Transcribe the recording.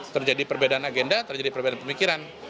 terjadi perbedaan agenda terjadi perbedaan pemikiran